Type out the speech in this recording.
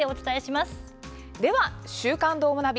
では「週刊どーもナビ」。